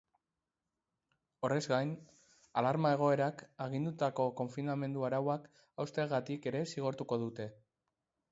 Horrez gain, alarma-egoerak agindutako konfinamendu arauak hausteagatik ere zigortuko dute.